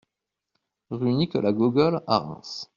Rue Nicolas Gogol à Reims